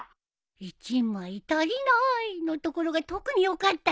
「１枚足りなーい」のところが特によかったよ。